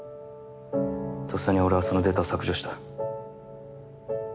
とっさに俺はそのデータを削除した。